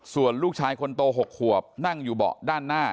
ส่วนลูกชายคนโต๖ขวบนั่งอยู่เบาะด้านหน้า